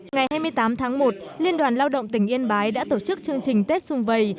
ngày hai mươi tám tháng một liên đoàn lao động tỉnh yên bái đã tổ chức chương trình tết xung vầy